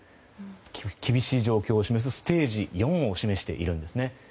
厳しい状況を示すステージ４を示しているんですね。